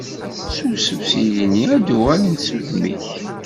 Ssusef s igenni, ad d-uɣalent s udem-ik.